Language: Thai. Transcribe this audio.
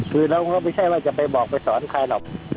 คือเราก็ไม่ใช่ว่าจะไปบอกไปสอนใครหรอก